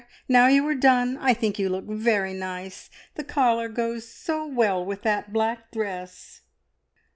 Now you are done. I think you look very nice. The collar goes so well with that black dress."